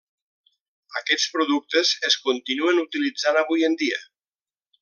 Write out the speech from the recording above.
Aquests productes es continuen utilitzant avui en dia.